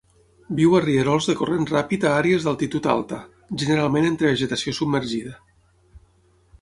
Viu a rierols de corrent ràpid a àrees d'altitud alta, generalment entre vegetació submergida.